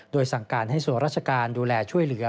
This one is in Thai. โดยสั่งการให้ส่วนราชการดูแลช่วยเหลือ